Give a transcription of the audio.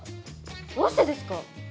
どうしてですか？